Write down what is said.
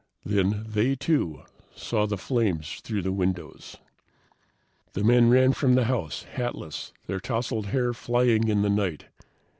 Then they, too, saw the flames through the windows. The men ran from the house, hatless, their tousled hair flying in the night.